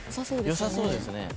よさそうですね。